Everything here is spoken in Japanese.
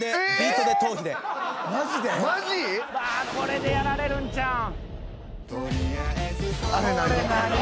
これでやられるんちゃうん。